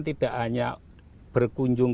tidak hanya berkunjung